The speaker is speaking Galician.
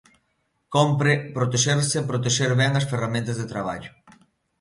Cómpre protexerse e protexer ben as ferramentas de traballo.